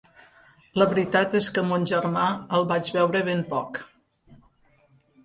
La veritat és que mon germà el vaig veure ben poc.